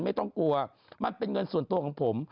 ไม่ต้องกลัวมันเป็นเงินส่วนตัวของผม